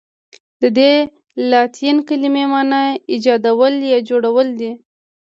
ددې لاتیني کلمې معنی ایجادول یا جوړول دي.